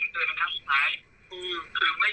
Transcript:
ผมเตือนกันทั้งอีกท้าย